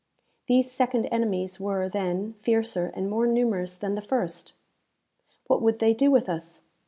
These second enemies were, then, fiercer and more numerous than the first! What would they do with us?